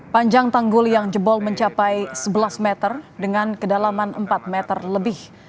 panjang tanggul yang jebol mencapai sebelas meter dengan kedalaman empat meter lebih